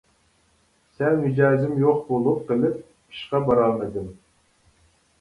-سەل مىجەزىم يوق بولۇپ قىلىپ ئىشقا بارالمىدىم.